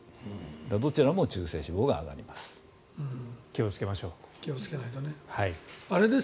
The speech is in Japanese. だからどちらも中性脂肪が上がります。